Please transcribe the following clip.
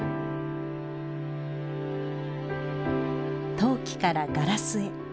陶器からガラスへ。